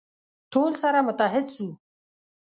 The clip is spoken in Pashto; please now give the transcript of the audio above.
ټول سره متحد سو.